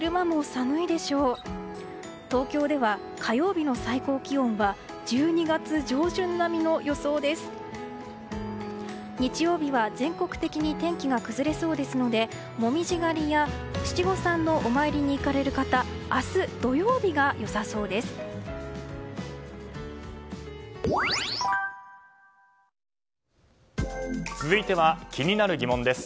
日曜日は全国的に天気が崩れそうですので紅葉狩りや七五三のお参りに行かれる方は明日、土曜日が良さそうです。